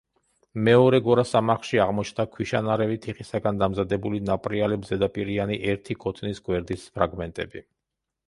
მეორე გორასამარხში აღმოჩნდა ქვიშანარევი თიხისაგან დამზადებული ნაპრიალებზედაპირიანი, ერთი ქოთნის გვერდის ფრაგმენტები.